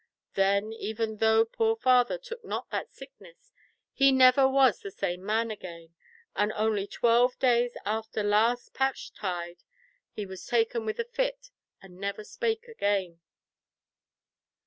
Then, though poor father took not that sickness, he never was the same man again, and only twelve days after last Pasch tide he was taken with a fit and never spake again."